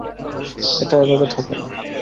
এটা এভাবে থাকে না।